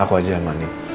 aku aja yang mandi